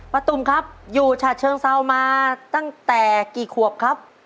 ตุ๋มครับอยู่ฉะเชิงเซามาตั้งแต่กี่ขวบครับ